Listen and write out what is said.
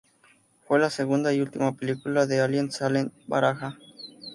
Fue la segunda y última película de Alí Salem de Baraja.